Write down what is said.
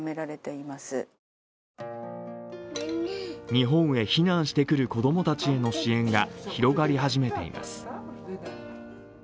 日本へ避難してくる子供たちへの支援が広がり始めています。